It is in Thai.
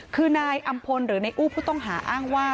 คือนายอำพลหรือนายอู้ผู้ต้องหาอ้างว่า